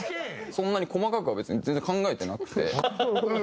そんなに細かくは別に全然考えてなくて。